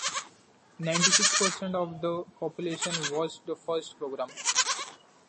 Ninety-six percent of the population watched the first program.